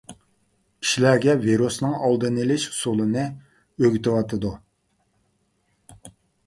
كىشىلەرگە ۋىرۇسنىڭ ئالدىنى ئېلىش ئۇسۇلىنى ئۆگىتىۋاتىدۇ.